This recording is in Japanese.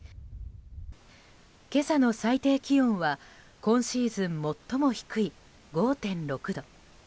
今朝の最低気温は今シーズン最も低い５．６度。